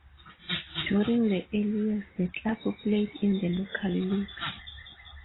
During the early years the club played in the local leagues.